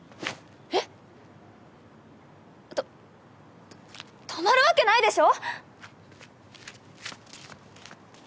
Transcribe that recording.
えっ！と泊まるわけないでしょ！